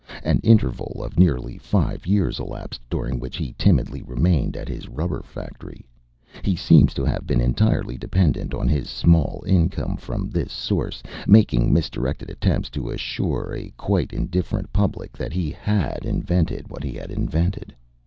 An interval of nearly five years elapsed during which he timidly remained at his rubber factory he seems to have been entirely dependent on his small income from this source making misdirected attempts to assure a quite indifferent public that he really HAD invented what he had invented.